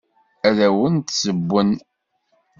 Ad awent-d-ssewwen.